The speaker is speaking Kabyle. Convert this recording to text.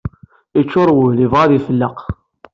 Yeččur wul, yebɣa ad ifelleq